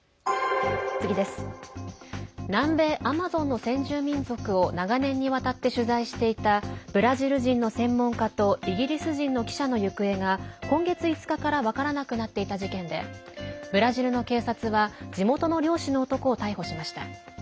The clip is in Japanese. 南米アマゾンの先住民族を長年にわたって取材していたブラジル人の専門家とイギリス人の記者の行方が今月５日から分からなくなっていた事件でブラジルの警察は地元の漁師の男を逮捕しました。